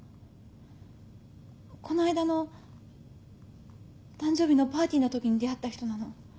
この間の誕生日のパーティーのときに出会った人なの。